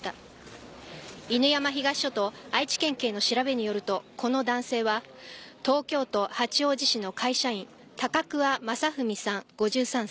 犬山東署と愛知県警の調べによるとこの男性は東京都八王子市の会社員高桑雅文さん５３歳。